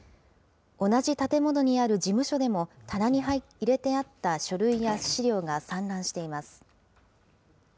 同じ建物にある事務所でも棚に入れてあった書類や資料が散乱しています。